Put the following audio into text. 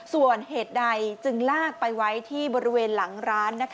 ส่วนเหตุใดจึงลากไปไว้ที่บริเวณหลังร้าน